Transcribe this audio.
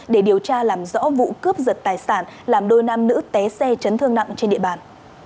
để điều tra làm rõ vụ cướp giật tài sản làm đôi nam nữ té xe chấn thương nặng trên địa bàn